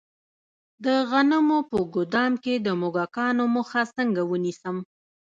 د غنمو په ګدام کې د موږکانو مخه څنګه ونیسم؟